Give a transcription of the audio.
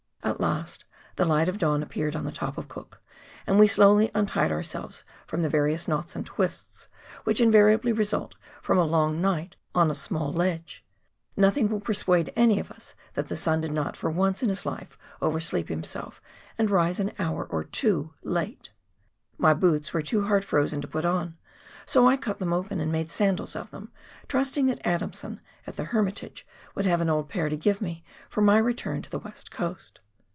At last the light of dawn appeared on the top of Cook, and we slowly untied ourselves from the various knots and twists which invariably result from a long night on a small ledge — nothing will persuade any of us that the sun did not for once in his life oversleep himself, and rise an hour or two late ! My boots were too hard frozen to put on, so I cut them open and made sandals of them, trusting that Adamson, at the Hermitage, would have an old pair to give me for my return to the "West Coast.